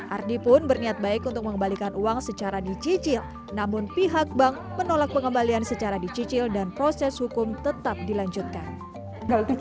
ardi pun berniat baik untuk mengembalikan uang secara dicicil namun pihak bank menolak pengembalian secara dicicil dan proses hukum tetap dilanjutkan